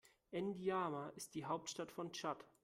N’Djamena ist die Hauptstadt von Tschad.